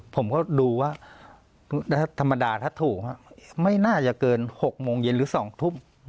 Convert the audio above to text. ผมก็ดูว่าธรรมดาถ้าถูกไม่น่าจะเกิน๖โมงเย็นหรือ๒ทุ่ม